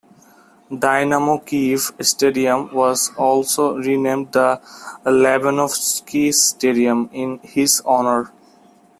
Dynamo Kyiv's stadium was also renamed the Lobanovsky Stadium in his honour.